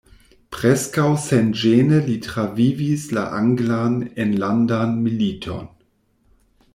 Preskaŭ senĝene li travivis la anglan enlandan militon.